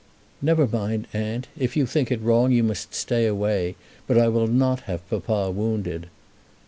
"Never mind, aunt. If you think it wrong you must stay away; but I will not have papa wounded."